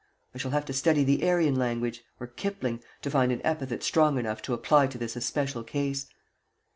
I shall have to study the Aryan language or Kipling to find an epithet strong enough to apply to this especial case.